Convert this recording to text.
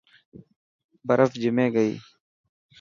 برف جمي گئي.